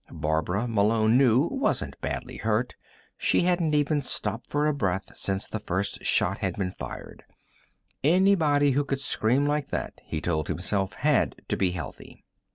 Barbara, Malone knew, wasn't badly hurt; she hadn't even stopped for breath since the first shot had been fired. Anybody who could scream like that, he told himself, had to be healthy.